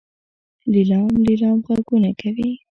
لیلام لیلام غږونه کوي.